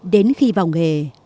đến khi vào nghề